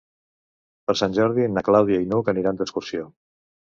Per Sant Jordi na Clàudia i n'Hug aniran d'excursió.